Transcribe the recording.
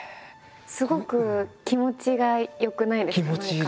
すごく気持ちが良くないですか？